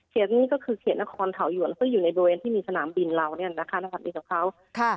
เขตนี้ก็คือเขตนครเถาหยวนในรวมเองที่ยังมีสนามบิลเธออยู่เรา